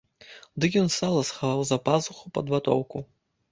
Дык ён сала схаваў за пазуху пад ватоўку.